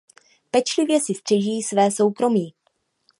Pečlivě si střeží své soukromí.